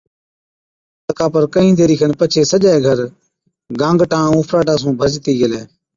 تڪا پر ڪهِين ديرِي کن پڇي سجَي گھر گانگٽان ائُون اُڦراٽان سُون ڀرجتِي گيلَي۔